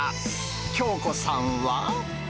京子さんは。